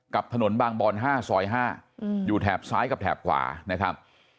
กับถนนบางบอน๕ซอย๕อยู่แถบซ้ายกับแถบขวานะครับ